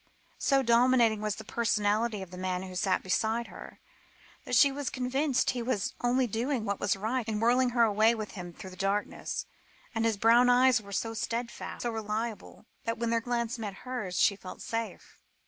So dominating was the personality of the man who sat beside her, that she was convinced he was only doing what was right in whirling her away with him through the darkness; and his brown eyes were so steadfast, so reliable, that when their glance met hers, she felt safe.